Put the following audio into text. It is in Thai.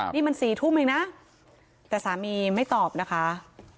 นี่มัน๔ทุ่มเองนะแต่สามีไม่ตอบนะคะ